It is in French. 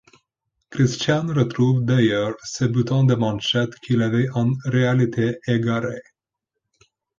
Christian retrouve d'ailleurs ses boutons de manchette qu'il avait en réalité égarés.